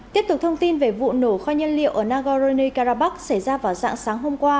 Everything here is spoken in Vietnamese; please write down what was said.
tiếp tục thông tin về vụ nổ kho nhân liệu ở nagorno karabakh xảy ra vào dạng sáng hôm qua